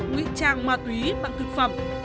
nguyện trang ma túy bằng thực phẩm